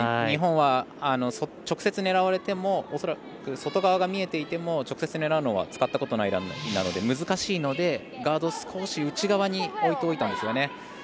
日本は直接狙われても恐らく外側が見えていても直接狙うのは使ったことないので難しいのでガードを少し内側に置いておいたんですね。